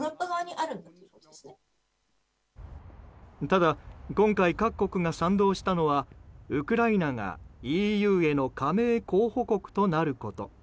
ただ今回、各国が賛同したのはウクライナがＥＵへの加盟候補国となること。